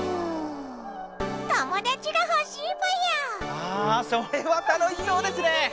ああそれは楽しそうですね！